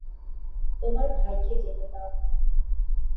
তোমার ভাইকে যেতে দাও।